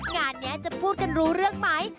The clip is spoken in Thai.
งานนี้จะพูดกันรู้เรื่องไหม